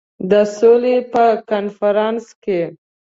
د سولي په کنفرانس کې.